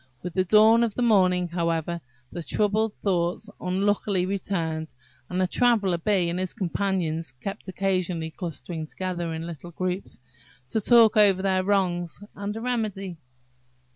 With the dawn of the morning, however, the troubled thoughts unluckily returned, and the Traveller bee and his companions kept occasionally clustering together in little groups, to talk over their wrongs and a remedy.